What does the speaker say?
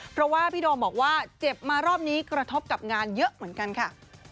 เพราะว่าพี่โดมบอกว่าเจ็บมารอบนี้กระทบกับงานเยอะเหมือนกันค่ะ